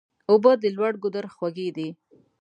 اوبه د لوړ ګودر خوږې دي.